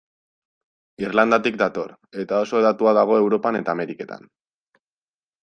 Irlandatik dator, eta oso hedatua dago Europan eta Ameriketan.